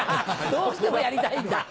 どうしてもやりたいんだ。